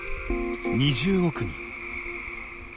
２０億人。